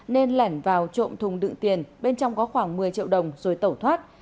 nên lẻn vào trộm thùng đựng tiền bên trong có khoảng một mươi triệu đồng rồi tẩu thoát